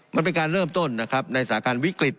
มันเป็นการเริ่มต้นนะครับในสถานการณ์วิกฤต